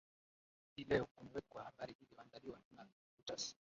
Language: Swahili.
hii leo kumewekwa habari iliyoandaliwa na reuters